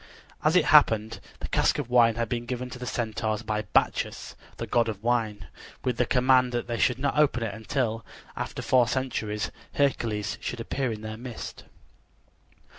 As it happened, the cask of wine had been given to the Centaurs by Bacchus, the god of wine, with the command that they should not open it until, after four centuries, Hercules should appear in their midst.